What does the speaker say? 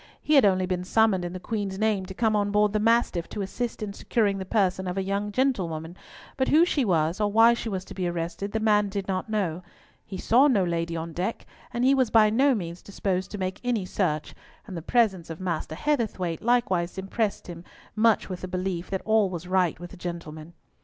He had only been summoned in the Queen's name to come on board the Mastiff to assist in securing the person of a young gentlewoman, but who she was, or why she was to be arrested, the man did not know. He saw no lady on deck, and he was by no means disposed to make any search, and the presence of Master Heatherthwayte likewise impressed him much with the belief that all was right with the gentlemen.